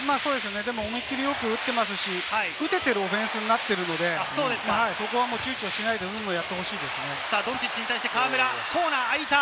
思い切りよく打っていますし、打てているオフェンスになっているので、躊躇しないで、どんどんやってほしいですね。